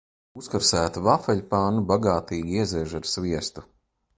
Uzkarsētu vafeļpannu bagātīgi ieziež ar sviestu.